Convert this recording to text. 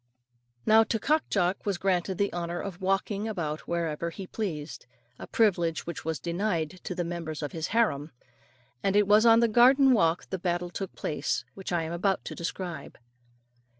Now to Cock Jock was granted the honour of walking about wherever he pleased a privilege which was denied to the members of his harem, and it was on the garden walk the battle took place which I am about to describe.